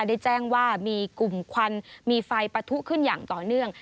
ได้แจ้งว่ามีกลุ่มควันมีไฟปะทุขึ้นอย่างต่อเนื่อง